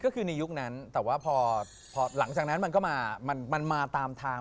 ก็คือในยุคนั้นแต่ว่าพอหลังจากนั้นมันก็มามันมาตามทาง